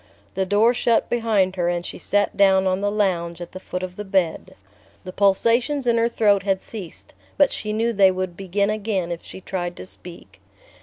The door shut behind her and she sat down on the lounge at the foot of the bed. The pulsations in her throat had ceased, but she knew they would begin again if she tried to speak.